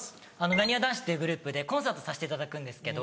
なにわ男子っていうグループでコンサートさせていただくんですけど。